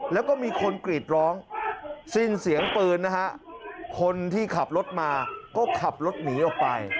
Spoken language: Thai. แล้วก็มีคนกรีดร้องสิ้นเสียงปืนนะฮะคนที่ขับรถมาก็ขับรถหนีออกไป